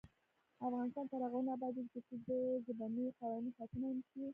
افغانستان تر هغو نه ابادیږي، ترڅو د ژبنیو قوانینو ساتنه ونشي.